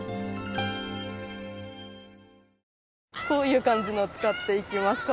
こういう感じのを使っていきます。